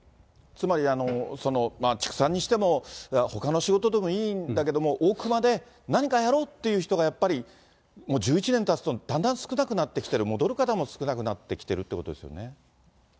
つまり、畜産にしてもほかの仕事でもいいんだけども、大熊で何かやろうっていう人がやっぱり、１１年たつとだんだん少なくなってきてる、戻る方も少なくなってきてるってことですよね。